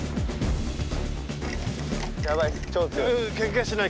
やばい！